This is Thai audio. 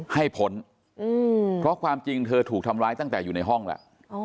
ให้พ้นเพราะความจริงเธอถูกทำร้ายตั้งแต่อยู่ในห้องแล้ว